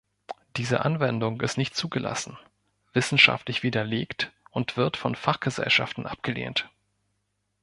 Diese Anwendung ist nicht zugelassen, wissenschaftlich widerlegt und wird von Fachgesellschaften abgelehnt.